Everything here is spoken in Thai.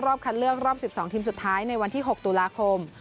คัดเลือกรอบ๑๒ทีมสุดท้ายในวันที่๖ตุลาคม